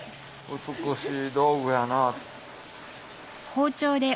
美しい道具やな。